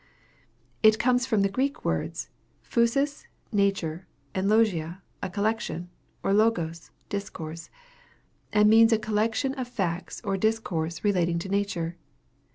_ It comes from the Greek words phusis, nature, and logia, a collection, or logos, discourse; and means a collection of facts or discourse relating to nature.